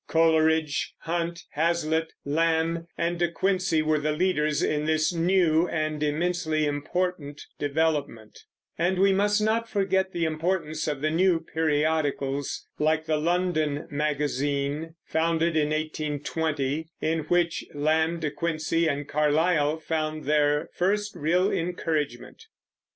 Coleridge, Hunt, Hazlitt, Lamb, and De Quincey were the leaders in this new and immensely important development; and we must not forget the importance of the new periodicals, like the Londen Magazine, founded in 1820, in which Lamb, De Quincey, and Carlyle found their first real encouragement.